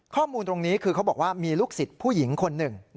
ข้อมูลตรงนี้คือเขาบอกว่ามีลูกศิษย์ผู้หญิงคนหนึ่ง